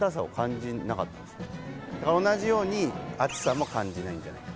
だから同じように熱さも感じないんじゃないか。